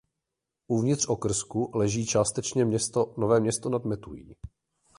Uvnitř okrsku leží částečně město Nové Město nad Metují.